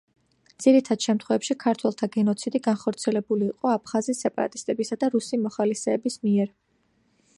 ძირითად შემთხვევებში ქართველთა გენოციდი განხორციელებული იყო აფხაზი სეპარატისტებისა და რუსი მოხალისეების მიერ.